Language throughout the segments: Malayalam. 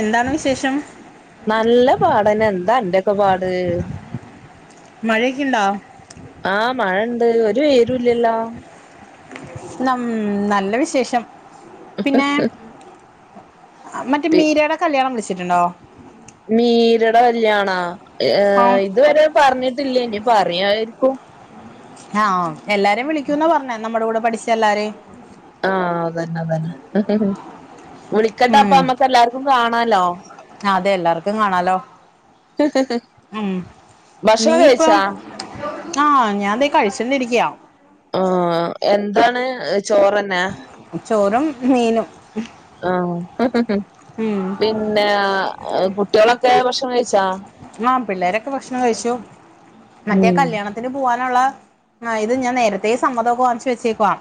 എന്താണ് വിശേഷം നല്ല പാടന്നെ എന്താ അന്റൊക്കെ പാട് മഴേക്കിണ്ടൊ ആഹ് മഴണ്ട് ഒരു വിവരോല്ലല്ലോ നം നല്ല വിശേഷം ഹ് പിന്നെ ഹ് മറ്റേ മീരെടെ കല്യാണം വിളിച്ചിട്ടുണ്ടോ മീരടെ കല്യാണാ ആ ഏഹ് ഇതുവരെ പറഞ്ഞിട്ടില്ല ഇനി പറയായിരിക്കും ആഹ് എല്ലാരേം വിളിക്കൂന്ന പറഞ്ഞേ നമ്മടെ കൂടെ പഠിച്ച എല്ലാരേം ആഹ് അതന്നെ അതന്നെ വിളിക്കട്ടെ അപ്പ ഉം അമ്മക്ക് എല്ലാർക്കും കാണാലോ അതെ എല്ലാവർക്കും കാണാലോ ഹ് ഹ് ഉം ഭക്ഷണം കഴിച്ചാ ആഹ് ഞാതെ കഴിചോണ്ടിരിക്യാ ആ എന്താണ് ചോറന്നെ ചോറും മീനും ആഹ് ഉം പിന്നെ കുട്ട്യോളൊക്കെ ഭക്ഷണം കഴിച്ചാ ആ പിള്ളേരൊക്കെ ഭക്ഷണം കഴിച്ചു മറ്റേ ഉം കല്യാണ ത്തിന് പോവാനുള്ള ആ ഇത് ഞാൻ നേരത്തെ സമ്മതൊക്കെ വാങ്ങിച് വെച്ചേക്കുവാ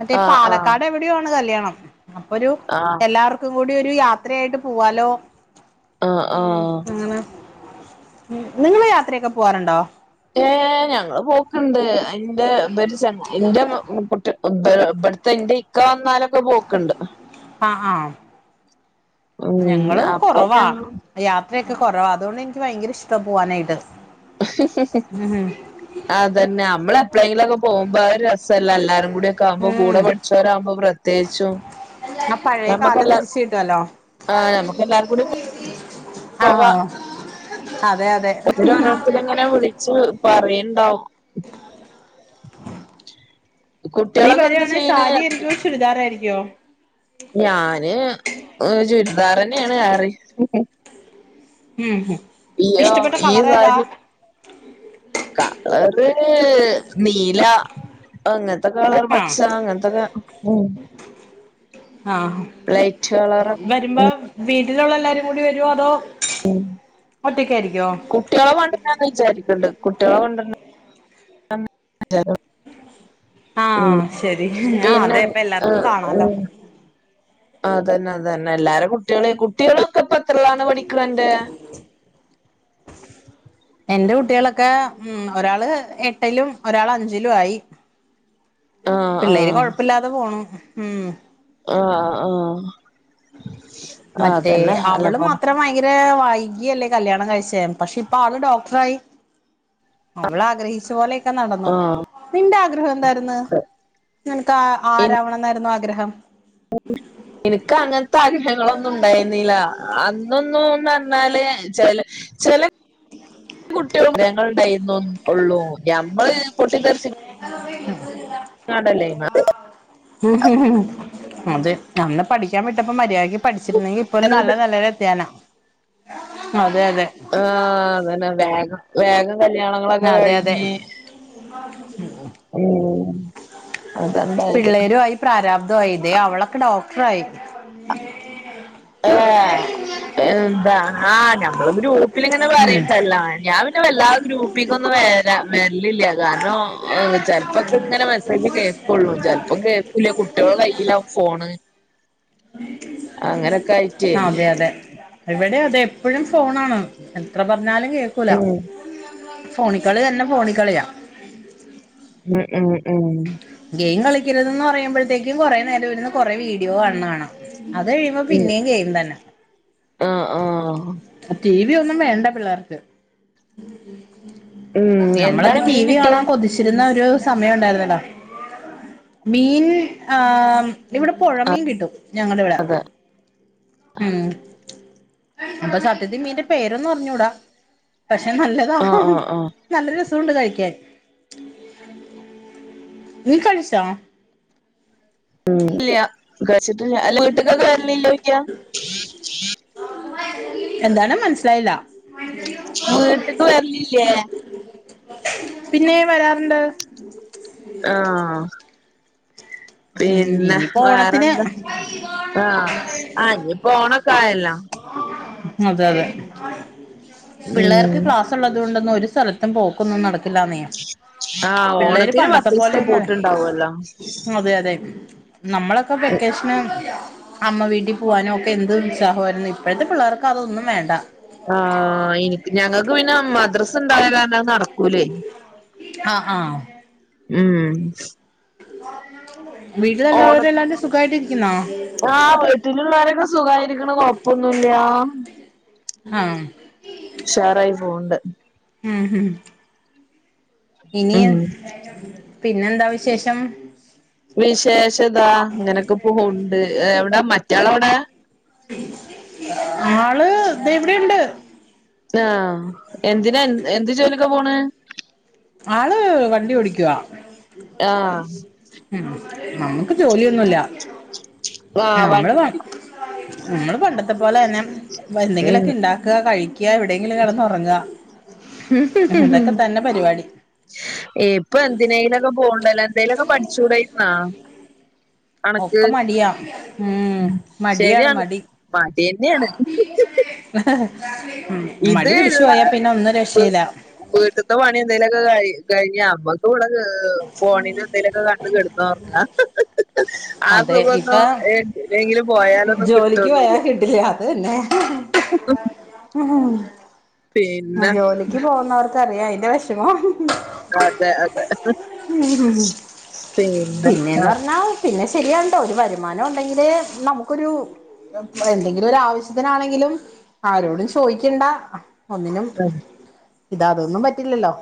മറ്റേ ആഹ് ആഹ് പാലക്കാട് എവ് ടെയോ ആണ് കല്യാണം അപ്പൊ ഒരു ആഹ് എല്ലാവർക്കും കൂടി ഒരു യാത്രയായിട്ട് പൂവാലോ ആഹ ആഹ ഉം നിങ്ങള് യാത്രയൊക്കെ പോവാറുണ്ടോ ഏഹ് ഞങ്ങള് പോക്ണ്ട് അന്റെ ഉപരി ച എന്റെ കുട്ട്യ ഇബ് ഇബ്ടുത്തെ എന്റെ ഇക്ക വന്നാല് പ്പൊ പോക്ണ്ട് ആ ആ ഉം ഞങ്ങള് അപ്പൊ കുറവാ ഞങ്ങളും യാത്രയൊക്കെ കൊറവ അതോണ്ട് എനിക്ക് ഭയങ്കര ഇഷ്ട്ടാ പോവാനായിട്ട് ഹ് ഹ് ഹ് ഉം അതന്നെ അമ്മള് എപ്പളേങ്കിലുംകെ പോകുമ്പോ ആ ഒരു രസല്ലെ എല്ലാരും കൂടി ഒക്കെ ആമ്പോ ഉം കൂടെ പടി ച്ചോരാവുമ്പോ പ്രത്യേകിച്ചും ആ പഴയ കാലം നമ്മക്കെല്ലാ തിരിച്ച് കിട്ടുവല്ലോ ആ നമ്മക്ക് എല്ലാരും കൂടി പോവാ ആഹ അതെ അതെ ഹ് ഹ് അങ്ങനെ വിളിച്ചു പറയണ്ടാവും നീ കുട്ടികളൊക്കെ എന്താ വരിവായാണെ ചെയ്യണ് സാരി ആയിരിക്കുവോ ചുരിദാർ ആയിരിക്കുവോ ഞാന് ചുരിദാർന്നെയാണ് ഏറേം ഹ് ഹ് ഉം ഹ് ഇയ്യോ ഇഷ്ടപ്പെട്ട ഈ കളർ ഏതാ സാരി കളറ് നീല അങ്ങൻത്തെ കളർ പച്ച ആഹ് അങ്ങനതൊക്കെ ആഹ് ലൈറ്റ് കളറാ വരുമ്പോ ഉം വീട്ടിലുള്ള എല്ലാരും കൂടി വരുവോ അതോ ഉം ഒറ്റക്കായിരിക്കോ കു കുട്ട്യോളെ കൊണ്ടരണംന്ന് വിചാരിക്ണ്ട് കുട്ട്യോളെ കൊണ്ടരണം [unintelligible] ഉം ആഹ് ശരി ആഹ് പിന്നെ അതെ ഇപ്പ ആ എല്ലാർക്കും കാണാലോ ഉം അതന്നെ അതന്നെ എല്ലാരും കുട്ട്യേളേം കുട്ട്യോളൊക്കെ ഇപ്പൊ എത്രേലാണ് പഠിക്ണഅന്റെ [inaudible] എന്റെ കുട്ടികളൊക്കെ ഉം ഒരാള് എട്ടിലും ഒരാൾ അഞ്ചിലും ആയി ആഹ് പിള്ളേര് ആഹ് കൊഴപ്പില്ലാതെ പോണു ഉം ആഹ് ആഹ് മറ്റേ അതന്നെ അല്ല അവള് പോലെ മാത്രം ഭയങ്കര വായി യ്ല്ലേ കല്യാണം കാഴിചെ പക്ഷെ ഇപ്പ ആള് ഡോക്ടറായി അവള് ആഗ്രഹിച്ച പോലെ കെനടന്നു ആഹ് നിന്റെ ആഗ്രഹം എന്തായിര്ന്നു നിനക്ക് ആഹ് ആരാവണം ന്നായിരുന്നു ആഗ്രഹം എനിക്ക് അങ്ങൻത്തെ ആഗ്രഹങ്ങളൊന്നുണ്ടായ്ന്നില. അന്നെന്നു ന്നർഞ്ഞാല് ചല ചെല കുട്ടി ടൈമം ഉള്ളൂ ഞമ്മൾ പൊട്ടി തെർപ് [inaudible] അതെ അന്ന് പഠിക്യാൻ വിട്ടപ്പോ മര്യാക് പഠിച്ച് ട്ട്ണ്ടങ്കി ഇപ്പോര് നല്ല അങ്ങനെ നെലേല് എത്യേന അതെ അതെ. ആഹ് അതന്നെ വേഗം വേഗം കല്യാണം അതെ അതെ ഉം അതണ്ടായത് പ്രാരാബ്ദ്യായിലെ അവളൊക്കെ ഡോക്ടറായി ഏഹ് എന്താ ആഹ് ഞമ്മള് ഗ്രൂപ്പിലിങ്ങനെ ഉം പറിം അല്ലാ ഞാൻ വല്ലാ ഗ്രൂപ്പിക്കൊന്നും വരാ വര്ലില്ല കാരണം ചെൽപ്പൊക്കെ ങ്ങനെ മെസേജ് കേക്കുള്ളൂ പെൽപ്പം കേ ക്കുല്യ കുട്ട്യോളകയ്യിലാം ഫോണ് അങ്ങനെ അതെ അതെ ഇവിടെ അതെ എപ്പഴും ഫോണാണ് എത്ര പറഞ്ഞാലും കേക്കൂല ഉം ഫോണിക്കളി തന്നെ ഫോണികളിയാ ഉം ഉം ഉം ഗെയിം കളിക്കരുതന്ന് പറയുമ്പോഴത്തേക്കും കുറെ നേരം ഇരുന്ന് കൊറെ വീഡിയോ കാൺണ ണാം അത് കഴിയുമ്പോ പിന്നേം ഗെയിം തന്നെ ആഹ് ആഹ് ടി വി ഒന്നും വേണ്ട പിള്ളേർക്ക് ഉം നമ്മളൊക്കെ എന്താണ് ടി മീൻ വി കിട്ടല് കാണാൻ കൊതിച്ചിരുന്ന ഒരു സമയം ണ്ടായിര്ന്നല്ലോ മീൻ ആഹ് ഇവിടെ പുഴമീൻ കിട്ടും ഞങ്ങളിവിടെ അത് ഉം അപ്പൊ സത്യത്തിൽ മീന്റെ പേരോന്നും അറിഞ്ഞൂടാ പക്ഷെ നല്ലതാ ആഹ് ആഹ് ആഹ് നല്ല രസൂണ്ട് കഴിക്യാൻ നീ കഴിച്ചോ ഉം ഇല്യ കഴിച്ചിട്ടില്യ വീട്ട്ക്കൊക്കെ വര് ലില്ലേയ്ക്ക എന്താണ് മനസിലായ്ല വീട്ട്ക്ക് വര്ലില്ലേ പിന്നെ വരാറ്ണ്ട് ആഹ് ഉം പിന്നെ ഇനിയിപ്പോ ഓണത്തിന് വേറെന്താ ആഹ് ആഹ് ഇഞ്പ്പോ ഓണൊക്കായല്ലോ അതെ അതെ പിള്ളേർക്ക് ഉം ക്ലാസ് ഉള്ളതോണ്ടൊന്നും ഒരു സ്ഥലത്തും പോക്കൊന്നും നടക്കില്ലാന്നേ ആഹ് പിള്ളേര് ഓണത്തിന് പണ്ടത്തെ പത്തൂസ് പോലെയൊന്നും ത്തപൂട്ടുണ്ടാവല്ലോ അതെ അതെ നമ്മളൊക്കെ വെക്കേഷന് അമ്മ വീട്ടിൽ പോവാനും ഒക്കെ എന്ത് ഉത്സാഹാര്ന്നു ഇപ്പോഴത്തെ പിള്ളേർക്ക് അതൊന്നും വേണ്ട ആഹ് ഇനിപ്പ ഞങ്ങക്ക് പിന്നെ മദ്രസ് ണ്ടായ കാര്നഅ്നട കുലൈ ആഹ് ആഹ് ഉം ഓണ വീട്ടിലല്ലാവരു ല്ലാരു സുഖായിട്ടിരിക്ന്നോ ആഹ് വീട്ടിലുള്ളവരൊക്കെ സുഖായിരി ക്ണ് കൊഴപ്പൊന്നുല്യാ ആഹ് ഷാറായി പോണ്ട് എ ഹും ഇനി ഉം പിന്നെന്താ വിശേഷം വിശേഷതാ ങ്ങനെക്കെ പോണ്ട് എവിടെ മറ്റാളവ്ടെ ആള് ദേ ഇവിടെണ്ട് ആഹ് എന്തിനാ എന്ത്‌ ജോലിക്ക പോൺ ആള് വണ്ടി ഓടിക്കുവ ആഹ് മ് നമ്മുക്ക് ജോലിയൊന്നുല്ല ആഹ് വ നമ്മള് നമ്മള് പണ്ടത്ത പോലെന്നെ ഉം എന്തെങ്കിലൊക്കേ ഇണ്ടാ ക്ക കഴിക്ക എവിടെങ്കിലും കെടന്നൊറങ്ങ ഇതൊക്കെ തന്നെ പരിവാടി ഇപ്പൊ എന്തിനേലൊക്കെ പോണ്ടല്ലോ എന്തേലൊക്കെ പഠിച്ചു ടേര്ന്നാ ഒക്കെ മടിയാ ഉം മടിയാണ് മടി മടിയെന്നേൺ മടി പിടിച്ചു പോയാ പിന്നെ ഒന്നും രക്ഷല്ല വീട്ത്ത പണി എന്തേലൊക്കെ കഴി കഴിഞ്ഞാ [unintelligible] ഫോണില് എന്തേലൊക്കെ കണ്ട് കെടന്ന് ഒറങ്ങാ ആ അതെ സുഖാന്നും ഇപ്പ എവിടെങ്കിലും പോയാലൊന്നും ജോലിക്ക് പോയാ കിട്ടോന്നുല്ല്യ കിട്ടില്ല അതന്നെ ഉ പിന്നെ ജോലിക്ക് പോന്നവർക്കറിയാം അയ്ന്റെ വഷ് മം അതെ അതെ [unintelligible] പിന്നെ അ പിന്നെ ശരിയാണ്‌ട്ടോ ഒരു വരുമാനം ഉണ്ടെങ്കിലേ നമുക്കൊരു എന്തെങ്കിലും ഒരു ആവശ്യത്തിനാണെങ്കിലും ആരോടും ചോയ്ക്കണ്ട ഒന്നിനും അതെ ഇത അതൊന്നും പറ്റില്ലല്ലോ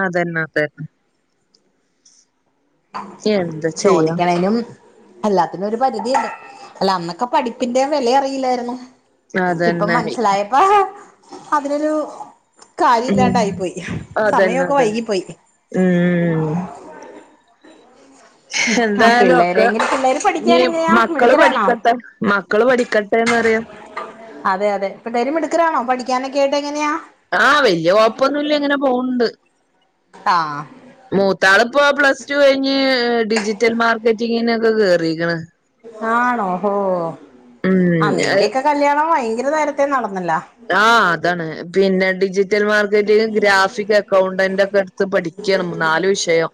അതന്നെ തന്നെ എന്താ ചെയ്യാ ചോദിക്കണേനും എല്ലാത്തിനും ഒരു പരിധി ഇണ്ട് അല്ല അന്നൊക്കെ പഠിപ്പിന്റെ വെല അറിയില്ലാരുന്നു ഇപ്പ അതന്നെ മൻസ്സിലായപ്പ അതിനൊരു കാര്യം ഉം ഇല്ലാണ്ടായി പോയി സമയൊക്കെ വൈകിപ്പോയി മ് ആ എന്തായാലും പിള്ളേരെ ഒക്കെ എങ്ങനെ പിള്ളേര് പഠിക്കാൻ ഞ് എങ്ങനെയാ മക്കള് മിടുക്കരാണോ പഠിക്കട്ടെ മക്കള് പഠിക്കട്ടെന്നറിയാ അതെ അതെ പിള്ളേര് മിട്ക്കരാണോ പഠിക്കാനൊക്കെ ആയിട്ട് എങ്ങനെയാ ആഹ് വല്യ കൊഴപ്പൊന്നുല്ല ഇങ്ങനെ പോവ്ണ്ട് ആ മൂത്താള്പ്പ പ്ലസ് ടു കഴിഞ്ഞ് ഡിജിറ്റൽ മാർക്കറ്റിങ്ങിനൊക്കെ കേറിക്ക്ണ് ആണോ ഹോ അ ഉം നിന്റക്കെ കല്യാണം വയങ്കര നേരത്തെ നടന്നല്ല ആഹ് അതാണ് പിന്നെ digital marketing graphic accountant ഒക്കെ ഇട്ത്ത് പഠിക്കാണ് നാല് വിഷയം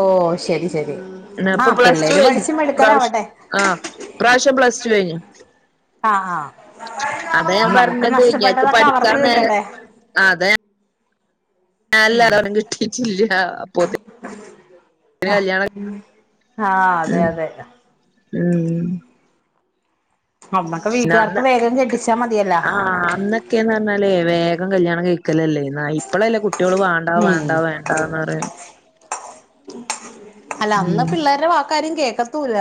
ഓ ശരി ശരി എന്ന ആ ഇപ്പൊ പ്ലസ് ടു പിള്ളേര് കഴിഞ് പഠിച്ച് ഇപ്രാവശ്യം മിടുക്കരാവട്ടെ ആഹ് ഇ പ്രാവശ്യ പ്ലസ് ടു കഴിഞ് ആ ആ അതാ ഞാൻ നമുക്ക് പറഞ്ഞത് ഇയാക്ക് നഷ്ടപ്പെട്ടതൊക്കെ അവർക്ക് പഠിക്കാന് നേ കിട്ടട്ടെ അത [unintelligible] കിട്ടിട്ടില്ല അപ്പോതി ആ ആഹ് അതെ ഉം അതെ ഉം അന്നൊക്കെ വീട്ട്കാർക്ക് അന്ന് വേഗം കെട്ടിച്ചാ മതിയല്ലോ ക്കേ നറഞാലേ വേഗം കല്യാണം കഴിക്കലല്ലേ എന്നാ ഇപ്പളല്ലേ കുട്ടോൾ വാണ്ടാ ഉം വാണ്ട വേ ണ്ട നറിണ് അല്ല അന്ന് ഉം പിള്ളേര വാക്ക് ആരും കേക്കത്തൂല്ല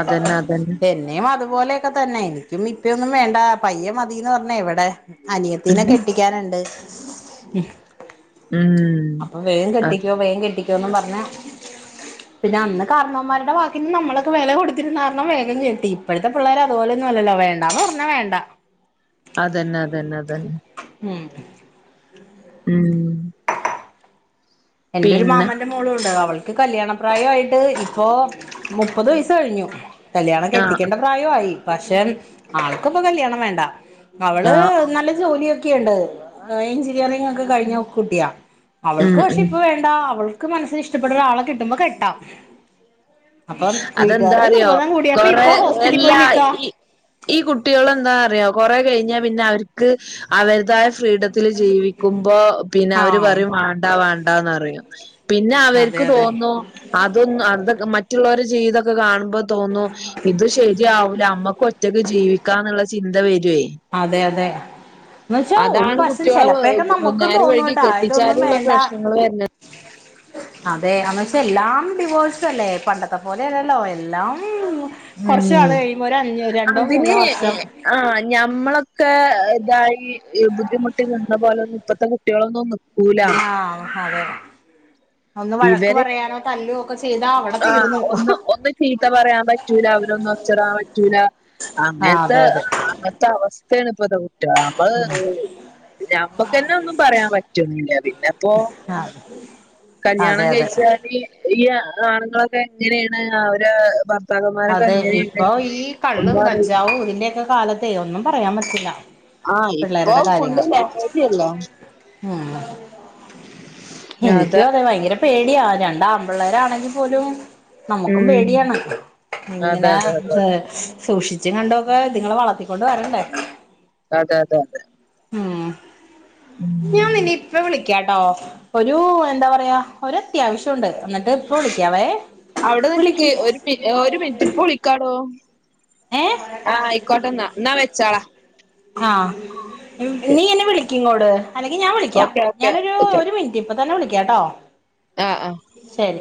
അതന്നെ അതന്നെ എന്നിം അത് പോലെയൊക്കെ തന്നെ എനിക്കും ഇപ്പ്യന്നും വേണ്ട പയ്യ മതീന്ന് പറഞ്ഞ എവടെ അനിയത്തിനെ കെ ട്ടി കാന്ണ്ട് മ് അപ്പൊ വേം കെട്ടിക്കോ വേം കെട്ടിക്കോ ന്നും പറഞ് [inaudible] പിന്നെ അന്ന് കാരണവന്മാരുടെ വാക്കി നി നമ്മളൊക്ക വില കൊടുത്തിരന്ന് കാരണം വേഗം കേട്ടി ഇപ്പോഴത്തെ പിള്ളേർ അതുപോലെന്നല്ലോ വോണ് വേണ്ട പറഞ്ഞാ വേണ്ട അതന്നെ അതന്നെ അതന്നെ ഉം ഉം എന്റെ ഒരു പിന്നെ മാമന്റെ മോളുണ്ട് അവൾക്ക് കല്യാണപ്രായയിട്ട് ഇപ്പൊ മുപ്പത് വയസ്സ് കഴിഞ്ഞു കല്യാണം ആഹ് കെട്ടിക്കണ്ട പ്രായമായി പക്ഷെ ആൾക്കും ഇപ്പൊ കല്യാണം വേണ്ട അവള് ആഹ് നല്ല ജോലിയൊക്കെയുണ്ട് എഞ്ചിനീറിങ് ഒക്കെ കഴിഞ്ഞ കുട്ടിയാ ഉം അവൾക്ക് പക്ഷെ ഉം ഇപ്പൊ വേണ്ട അവൾക്ക് മനസ്സിൽ ഇഷ്ടപ്പെട ഒരാളെ കിട്ടുമ്പോ കെട്ടാം അപ്പം അതെന്താ വീട്ടുകാരുടെ അറിയോ നിർബന്ധം കൂടിയ കൊറെ ഇപ്പൊ ഹോസ്റ്റലിൽ പോയി എല്ലാ നിക്കാ ഈ ഈ കുട്ടികൾ എന്താ അറിയോ കൊറെ കഴിഞ്ഞാ പിന്നെ അവർക്ക് അവരുതായ ഫ്രീഡത്തില് ജീവിക്കുമ്പോ പിന്നെ അവര് ആഹ് പറയും വണ്ടാ വണ്ടാന്ന് പറയും പിന്നെ അതെ അവർക്ക് അതെ തോന്നു അതൊന്ന അത്ക്കെ മറ്റുള്ളരെ ജീവിതൊക്കെ കാണുമ്പോ തോന്നു ഇത് ശരിയാവൂല അമ്മക്ക് ഒ റ്റയ്ക്ക് ജീവിക്കാന്നുള്ള ചിന്ത വരുവേ അതെ അതെ എന്ന് വെച്ചാ ഒരു അതാണ് വശം കുട്ടികളെ ചെലപ്പയൊക്കെ നമ്മുക്കും ഒന്നേരം വഴകി തോന്നൂട്ടാ ഇതൊന്നും കെട്ടിച്ചാലുംള്ള വേണ്ട പ്രശ്നങ്ങൾ വരണ അതെ എന്ന്ച്ചെ എല്ലാം ഡിവോഴ്സ അല്ലേ പണ്ടത്തെ പോലെല്ലല്ലോ എല്ലാം കുറച്ച ഉം കാലം കഴിയുമ്പോ ഒരു അഞ് രണ്ടോ മൂന്നോ വർഷം ആ ഞമ്മളൊക്കെ ഇതായി ബുദ്ധിമുട്ടി നിന്ന [unintelligible] ഇപ്പളത്തെ കുട്ടികളൊന്നും നി ആ അതെ ഒന്ന് വഴക്ക് പറയാനോ തല്ലുവോ ഒക്കെ ചെയ്താ അവി ആ ഒന്ന് ഒന്ന് ചീത്ത പറയാൻ പറ്റൂല അവരൊന്നും ഒച്ചെടാൻ പറ്റൂല ആഹ് അങ്ങനത്തെ അതെ അതെ ആ അവസ്ഥയാണ് ഇപ്പത്ത കുട്ടികളെ നമ്മള് ഞമ്മുക്ക്ന്നെ ഒന്നും പറയാൻ പറ്റുന്നില്ല പിന്നെപ്പോ ആഹ് അതെ കല്യാണം അതെ കഴിച്ചാല് ഈ ആണുങ്ങളൊക്കെ എങ്ങനെയാണ് അവരെ ഭർ അതെ ഇപ്പൊ ഈ കള്ളും ഒന്നും അറിയില്ല കഞ്ചാവും ഇതിന്റെയൊക്കെ കാലത്തെ ഒന്നും പറയാൻ പറ്റില്ല ആഹ് ഇപ്പൊ പിള്ളേരടെ ഫുള്ള് കാര്യങ്ങള് ലഹരിയല്ലേ ഉം നിക്കും അതെ ഭയങ്കര പേടിയാ രണ്ട് ആമ്പിള്ളേരാണെങ്കിൽ പോലും നമ്മുക്കും ഉം പേടിയാണ് അതെ ഇങ്ങനെ അതെ അതെ സെ സൂക്ഷിച്ചും കണ്ടും ഒക്കെ ഇത്ങ്ങളെ വളർത്തിക്കൊണ്ട് വരണ്ടേ അതെ അതെ അതെ ഉം [inaudible] ഞാൻ ഉം നിന്നെ ഇപ്പ വിളിക്കാട്ടോ ഒരു എന്താ പറയാ ഒരു അത്യാവശ്യം ഉണ്ട് എന്നിട്ട് ഇപ്പ വിളിക്കാവേ അവിടെ നിക്ക് വിളിക്ക് ഒരു പി ഒരു മിനിറ്റ് ഇപ്പോ വിളിക്കാടോ ഏ ആ ആയിക്കോട്ടെന്നാ ന്നാ വെച്ചോളെ ആ നീ എന്നെ വിളിക്കിങ്ങോട് അല്ലെങ്കിൽ ഞാൻ വിളിക്കാം ഓക്കെ ഓക്കെ ഞാനൊരു ഒരു മിനിറ്റ് റ്റ് ഇപ്പ തന്നെ വിളിക്കാട്ടോ ആഹ ആഹ ശരി